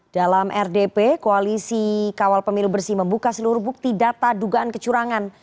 dalam rdp koalisi kawal pemilu bersih membuka seluruh bukti data dugaan kecurangan